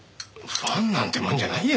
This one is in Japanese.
ファンなんてもんじゃないよ！